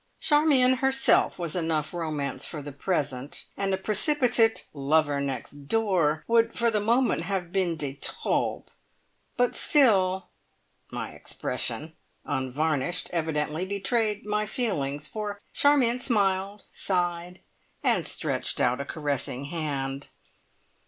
Charmion herself was enough romance for the present, and a precipitate "lover next door" would for the moment have been de trop, but still My expression (unvarnished!) evidently betrayed my feelings, for Charmion smiled, sighed, and stretched out a caressing hand.